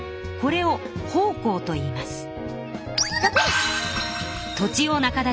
これを奉公といいます。